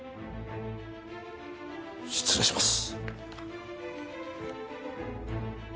失礼します。